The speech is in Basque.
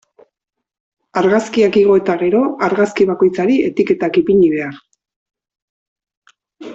Argazkiak igo eta gero, argazki bakoitzari etiketak ipini behar.